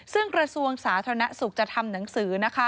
ซึ่งกระทรวงสาธารณสุขจะทำหนังสือนะคะ